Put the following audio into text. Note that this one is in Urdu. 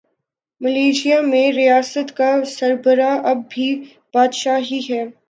ملائشیا میں ریاست کا سربراہ اب بھی بادشاہ ہی ہے۔